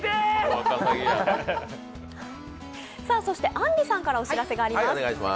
そしてあんりさんからお知らせがあります。